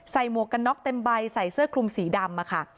หมวกกันน็อกเต็มใบใส่เสื้อคลุมสีดำค่ะ